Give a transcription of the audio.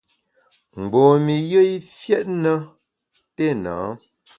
Mgbom-i yùe i fiét na téna.